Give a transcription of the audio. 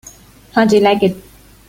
How do you like it?